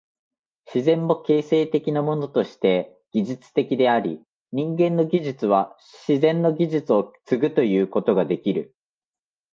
自然も形成的なものとして技術的であり、人間の技術は自然の技術を継ぐということができる。